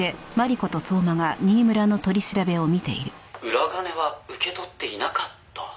「裏金は受け取っていなかった？」